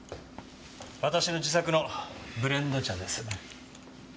私の自作のブレンド茶です。